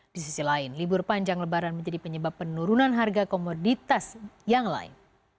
di sisi lain libur panjang lebaran menjadi penyebab penurunan harga komoditas yang lain